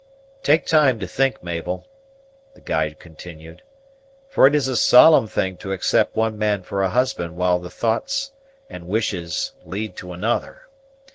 "Take time to think, Mabel," the guide continued, "for it is a solemn thing to accept one man for a husband while the thoughts and wishes lead to another.